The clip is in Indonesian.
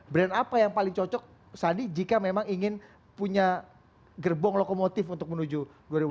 brand apa yang paling cocok sandi jika memang ingin punya gerbong lokomotif untuk menuju gorobudur